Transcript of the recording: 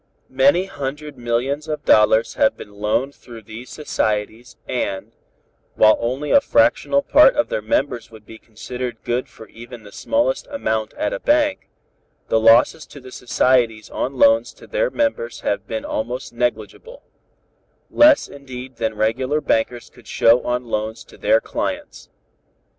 "Many hundred millions of dollars have been loaned through these societies and, while only a fractional part of their members would be considered good for even the smallest amount at a bank, the losses to the societies on loans to their members have been almost negligible; less indeed than regular bankers could show on loans to their clients.